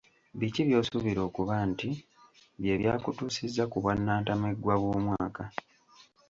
Biki by'osuubira okuba nti bye byakutuusizza ku bwannantameggwa bw'omwaka?